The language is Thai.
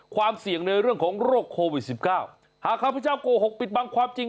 ความเสี่ยงในเรื่องของโรคโควิดสิบเก้าหากข้าพเจ้าโกหกปิดบังความจริง